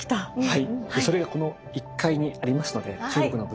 はい。